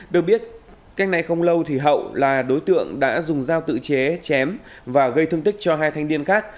được biết cách này không lâu thì hậu là đối tượng đã dùng dao tự chế chém và gây thương tích cho hai thanh niên khác